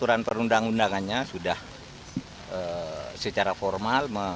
itu tentu peraturan perundang undangannya sudah secara formal menyesaratkan